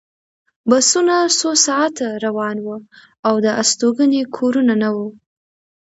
بسونه څو ساعته روان وو او د استوګنې کورونه نه وو